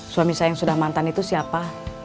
suami saya yang sudah mantan itu siapa